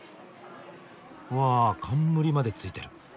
わ冠までついてる。